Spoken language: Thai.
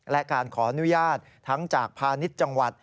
และการขออนุญาตทั้งจากพาณิชย์จังหวัด